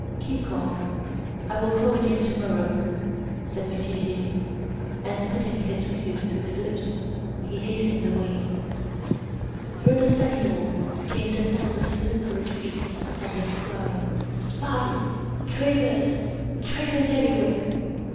Keep calm, I will call again tomorrow," said Métivier; and putting his fingers to his lips he hastened away. Through the study door came the sound of slippered feet and the cry: "Spies, traitors, traitors everywhere!